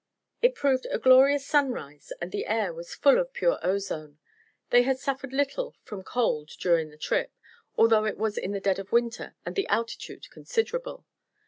It proved a glorious sunrise and the air was full of pure ozone. They had suffered little from cold during the trip, although it was in the dead of winter and the altitude considerable.